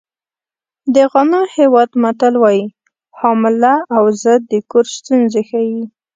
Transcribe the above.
د غانا هېواد متل وایي حامله اوزه د کور ستونزې ښیي.